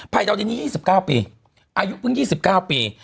ดาวดินนี้๒๙ปีอายุเพิ่ง๒๙ปี